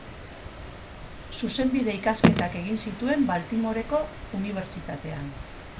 Zuzenbide-ikasketak egin zituen Baltimoreko Unibertsitatean.